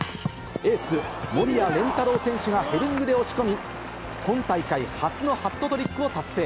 エース、守屋練太郎選手がヘディングで押し込み、今大会初のハットトリックを達成。